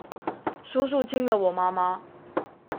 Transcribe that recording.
叔叔親了我媽媽